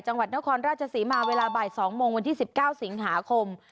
จังหวัดนครราชศรีมาเวลาบ่าย๒โมงวันที่๑๙สิงหาคม